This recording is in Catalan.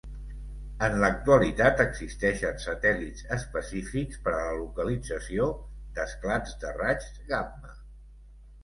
En l'actualitat existeixen satèl·lits específics per a la localització d'esclats de raigs gamma.